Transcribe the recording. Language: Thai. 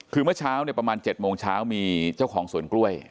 คือเมื่อเช้าประมาณ๗โมงเช้ามีเจ้าของสวนกล้วย